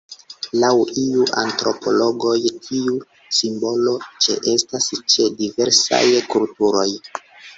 Laŭ iuj antropologoj tiu simbolo ĉeestas ĉe diversaj kulturoj.